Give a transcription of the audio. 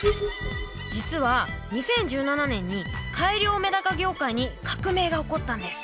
実は２０１７年に改良メダカ業界に革命が起こったんです。